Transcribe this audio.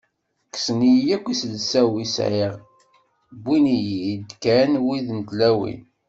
Kksen-iyi akk iselsa-w i sɛiɣ, iwin-iyi-d kan wid n tlawin.